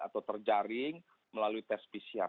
atau terjaring melalui tes pcr